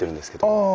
ああ。